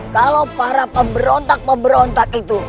kalau para pemberontak pemberontak itu